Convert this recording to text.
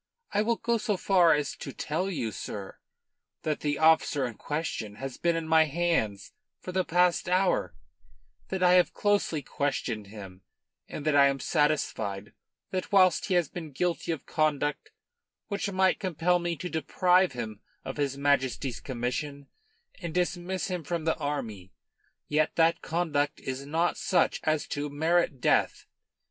I will go so far as to tell you, sir, that the officer in question has been in my hands for the past hour, that I have closely questioned him, and that I am satisfied that whilst he has been guilty of conduct which might compel me to deprive him of his Majesty's commission and dismiss him from the army, yet that conduct is not such as to merit death.